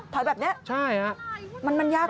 ถอยแบบนี้มันยากเหรอคะใช่ค่ะ